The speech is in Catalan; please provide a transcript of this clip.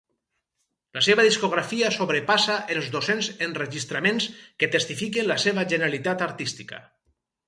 La seva discografia sobrepassa els dos-cents enregistraments que testifiquen la seva genialitat artística.